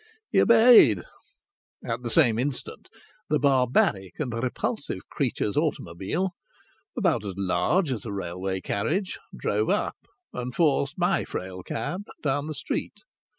He obeyed! At the same instant the barbaric and repulsive creature's automobile, about as large as a railway carriage, drove up and forced my frail cab down the street.